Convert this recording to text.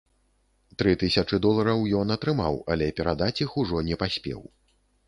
Тры тысячы долараў ён атрымаў, але перадаць іх ужо не паспеў.